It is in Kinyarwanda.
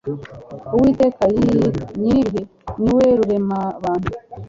uwiteka nyiribihe niwe ruremabantu